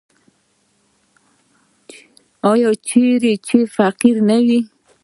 آیا چیرې چې فقر نه وي؟